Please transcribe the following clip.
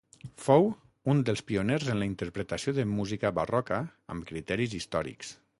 Fou un dels pioners en la interpretació de música barroca amb criteris històrics.